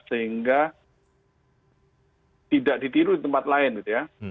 sehingga tidak ditiru di tempat lain gitu ya